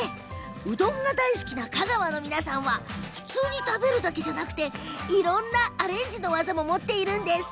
うどんが大好きな香川の皆さんは普通に食べるだけじゃなくていろんなアレンジの技を持っているんです。